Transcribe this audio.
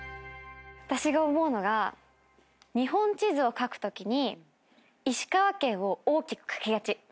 私が思うのが日本地図を描くときに石川県を大きく描きがち。